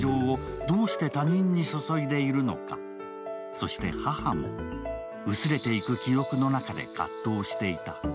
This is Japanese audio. そして母も薄れていく記憶の中で葛藤していた。